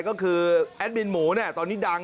ก็คือแอดมินหมูตอนนี้ดัง